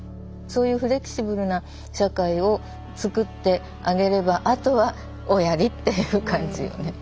そういうフレキシブルな社会をつくってあげればあとはおやりっていう感じよね。